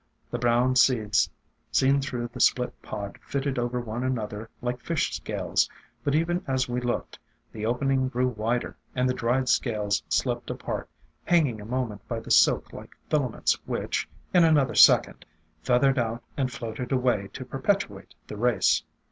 The brown seeds seen through the split pod fitted over one another like fish scales, but even as we looked, the opening grew wider and the dried scales slipped apart, hanging a moment by the silk like filaments which, in another second, feathered out and floated away to perpetuate the race.